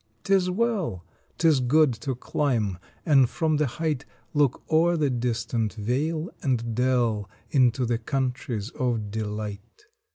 Tis well * Tis good to climb and from the height Look o er the distant vale and dell Into the countries of Delight.